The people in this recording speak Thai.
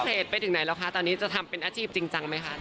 ไปถึงไหนแล้วคะตอนนี้จะทำเป็นอาชีพจริงจังไหมคะ